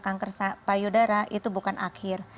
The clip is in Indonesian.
kanker payudara itu bukan akhir